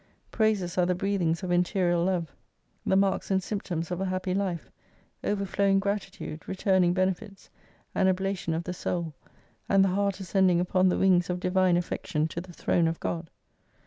Praises are the breathings of interior love, the marks 224 and symptoms of a happy life, overflowing gratitude, returning benefits, an oblation of the soul, and the heart ascending upon the wings of divine affection to the Throne of God.